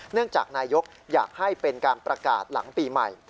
เนื่องจากนายกอยากให้เป็นการประกาศหลังปีใหม่